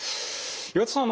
岩田さん。